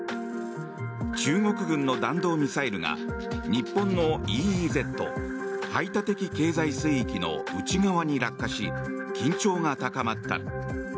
中国軍の弾道ミサイルが日本のＥＥＺ・排他的経済水域の内側に落下し緊張が高まった。